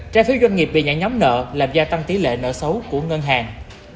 trái phiếu doanh nghiệp bị ảnh nhóm nợ làm gia tăng tỷ lệ nợ xấu của ngân hàng